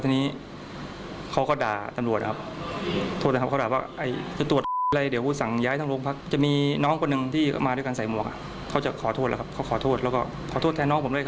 ไม่มาครับเขาก็ปลัดป้องเขาก็แบบผลัก